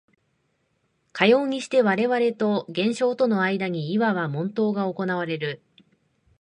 かようにして我々と現象との間にいわば問答が行われる。